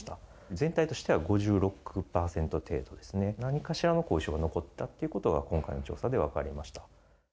全体としては５６％程度ですね、何かしらの後遺症が残ったということは、今回の調査で分かりました。